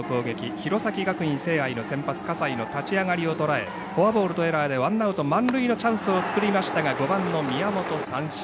弘前学院聖愛の先発、葛西の立ち上がりをとらえフォアボールとエラーでワンアウト満塁のチャンスを作りましたが５番の宮本、三振。